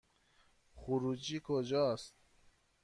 خروجی کجاست؟